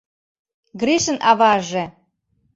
— Гришын аваже!